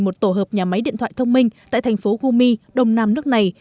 một tổ hợp nhà máy điện thoại thông minh tại thành phố gumi đông nam nước này